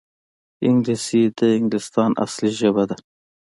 انګلیسي د انګلستان اصلي ژبه ده